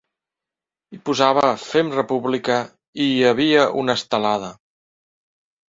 Hi posava ‘Fem República’ i hi havia una estelada.